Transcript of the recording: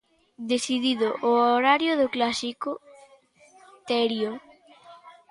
Decidido o horario do clásico, Terio.